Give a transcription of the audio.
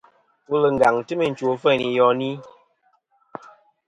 Wul ngaŋ ti meyn chwò afeyn i yoni.